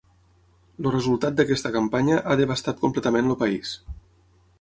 El resultat d’aquesta campanya ha devastat completament el país.